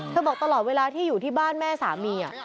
บอกตลอดเวลาที่อยู่ที่บ้านแม่สามี